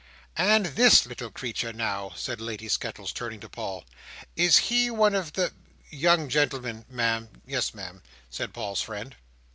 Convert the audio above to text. "And this little creature, now," said Lady Skettles, turning to Paul. "Is he one of the—" "Young gentlemen, Ma'am; yes, Ma'am," said Paul's friend.